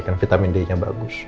kan vitamin d nya bagus